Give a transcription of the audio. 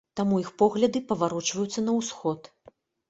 Таму іх погляды паварочваюцца на ўсход.